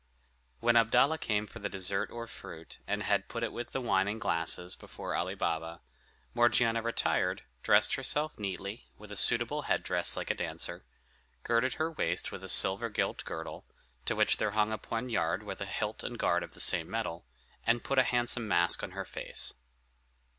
When Abdalla came for the dessert or fruit, and had put it with the wine and glasses before Ali Baba, Morgiana retired, dressed herself neatly, with a suitable head dress like a dancer, girded her waist with a silver gilt girdle, to which there hung a poniard with a hilt and guard of the same metal, and put a handsome mask on her face.